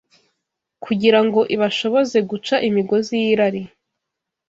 kugira ngo ibashoboze guca imigozi y’irari,